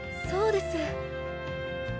そうです。